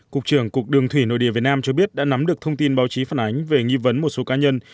cục trưởng cục đường thủy nội địa việt nam cho biết đã nắm được thông tin báo chí phản ánh về nghi vấn một số cá nhân